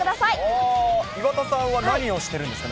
岩田さんは何をしてるんですか？